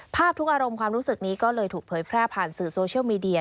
ทุกอารมณ์ความรู้สึกนี้ก็เลยถูกเผยแพร่ผ่านสื่อโซเชียลมีเดีย